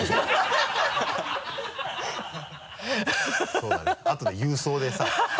そうだねあとで郵送でさ。